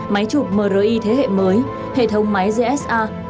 máy chụp mri thế hệ mới hệ thống máy gsa